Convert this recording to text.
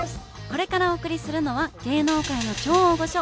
これからお送りするのは芸能界の超大御所